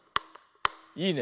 いいね。